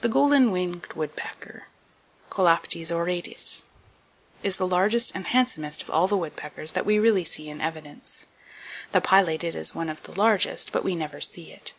The Golden Winged Woodpecker, (Colaptes auratus) , is the largest and handsomest of all the woodpeckers that we really see in evidence. The Pileated is one of the largest, but we never see it.